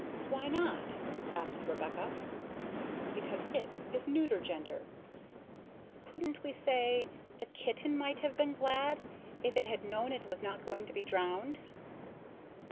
"Why not?" asked Rebecca "Because 'it' is neuter gender." "Couldn't we say, 'The kitten might have been glad if it had known it was not going to be drowned'?"